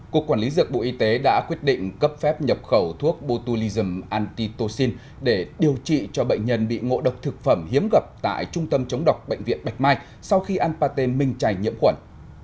cục quản lý dược bộ y tế đã quyết định cấp phép nhập khẩu thuốc botulism antitocin để điều trị cho bệnh nhân bị ngộ độc thực phẩm hiếm gập tại trung tâm chống độc bệnh viện bạch mai sau khi anpate minh chảy nhiễm khuẩn